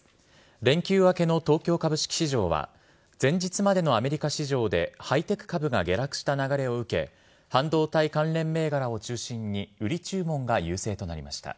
連休明けの東京株式市場は、前日までのアメリカ市場でハイテク株が下落した流れを受け、半導体関連銘柄を中心に売り注文が優勢となりました。